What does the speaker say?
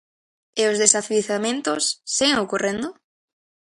E os desafiuzamentos, seguen ocorrendo?